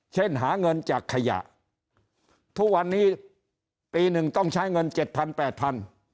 หาเงินจากขยะทุกวันนี้ปีหนึ่งต้องใช้เงินเจ็ดพันแปดพัน